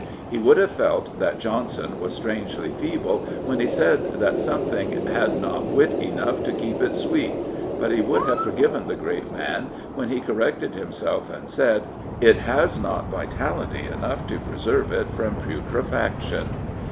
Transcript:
He would have felt that Johnson was strangely feeble when he said that something " had not wit enough to keep it sweet," but he would have forgiven the great man when he corrected himself and said, " It has not vitality enough to preserve it from putre faction."